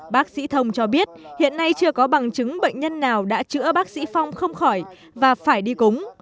bác sĩ thông cho biết hiện nay chưa có bằng chứng bệnh nhân nào đã chữa bác sĩ phong không khỏi và phải đi cúng